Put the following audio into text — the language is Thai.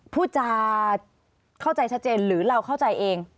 พูดจาเข้าใจชัดเจนหรือเราเข้าใจเอง